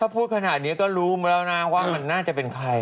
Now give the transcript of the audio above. พูดขนาดนี้ก็รู้มาแล้วนะว่ามันน่าจะเป็นใคร